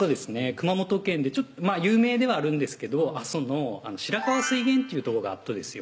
熊本県で有名ではあるんですけど阿蘇の白川水源っていうとこがあるとですよ